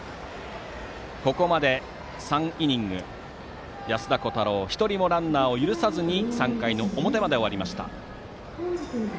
ここまで３イニング安田虎汰郎は１人もランナーを許さずに３回の表まで終わりました。